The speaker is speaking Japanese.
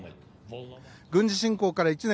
軍事侵攻から１年。